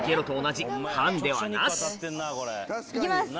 行きます！